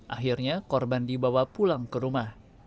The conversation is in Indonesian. akhirnya korban dibawa pulang ke rumah